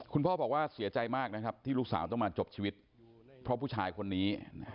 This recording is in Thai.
คุณพ่อบอกว่าเสียใจมากนะครับที่ลูกสาวต้องมาจบชีวิตเพราะผู้ชายคนนี้